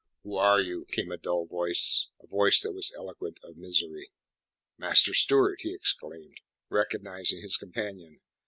"Who are you?" came a dull voice a voice that was eloquent of misery. "Master Stewart!" he exclaimed, recognizing his companion.